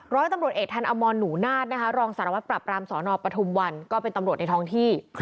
ร้อยตำรวจเอกทันอมรหนูนาฏนะคะรองสารวัตรปรับรามสนปทุมวันก็เป็นตำรวจในท้องที่